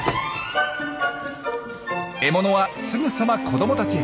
獲物はすぐさま子どもたちへ。